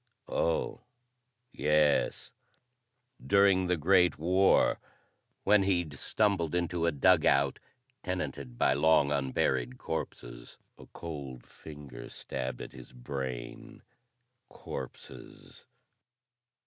Oh, yes; during the Great War when he'd stumbled into a dugout tenanted by long unburied corpses. A cold finger stabbed at his brain. Corpses.